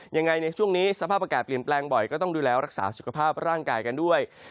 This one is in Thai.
ในช่วงนี้สภาพอากาศเปลี่ยนแปลงบ่อยก็ต้องดูแลรักษาสุขภาพร่างกายกันด้วย